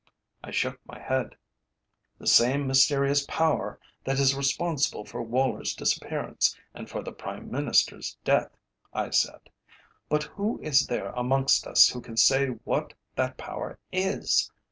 I shook my head. "The same mysterious power that is responsible for Woller's disappearance and for the Prime Minister's death," I said. "But who is there amongst us who can say what that power is.